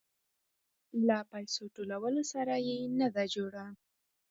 له پيسو ټولولو سره يې نه ده جوړه.